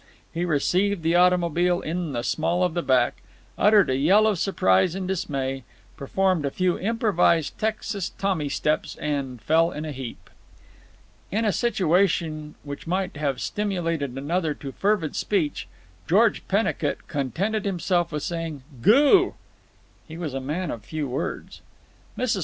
He received the automobile in the small of the back, uttered a yell of surprise and dismay, performed a few improvised Texas Tommy steps, and fell in a heap. In a situation which might have stimulated another to fervid speech, George Pennicut contented himself with saying "Goo!" He was a man of few words. Mrs.